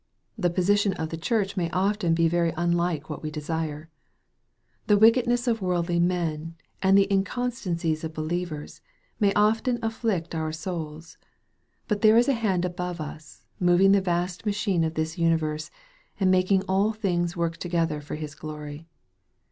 The position of the Church may often be very unlike what we desire. The wickedness of worldly men, and the inconsistencies of believers, may often afflict our souls. But there is a hand above us, moving the vast machine of this universe, and making all things work together for His glory.